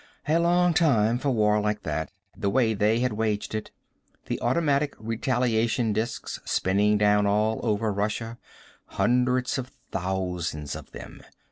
A long time for war like that, the way they had waged it. The automatic retaliation discs, spinning down all over Russia, hundreds of thousands of them.